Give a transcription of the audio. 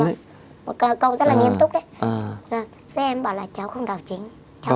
thì em bảo là cháu không đạo chính